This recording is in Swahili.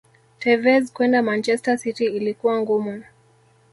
Tevez kwenda manchester city ilikuwa ngumu